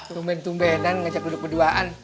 tumpen tumpenan ngajak duduk berduaan